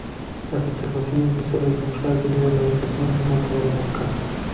Las observaciones visuales son raras debido a la ubicación remota del volcán.